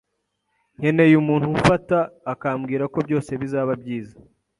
Nkeneye umuntu umfata akambwira ko byose bizaba byiza